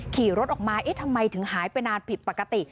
ขี่รถออกมาเอ๊ะทำไมถึงหายไปนานผิดปกติ